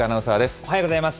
おはようございます。